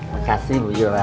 makasih bu jola